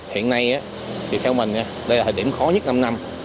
hiện nay thì theo mình đây là thời điểm khó nhất năm năm